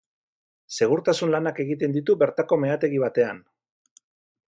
Segurtasun lanak egiten ditu bertako meategi batean.